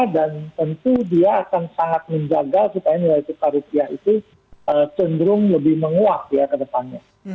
dan tentu dia akan sangat menjaga supaya nilai sekar rupiah itu cenderung lebih menguap ya ke depannya